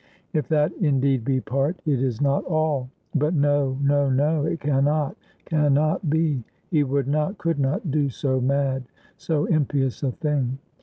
If that indeed be part, it is not all. But no, no, no; it can not, can not be. He would not, could not, do so mad, so impious a thing.